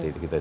tidak ada ya